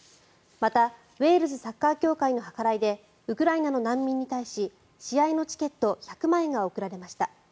また、ウェールズサッカー協会の計らいでウクライナの難民に対し試合のチケット１００枚が贈られました。